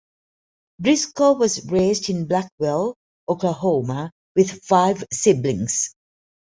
Brisco was raised in Blackwell, Oklahoma with five siblings.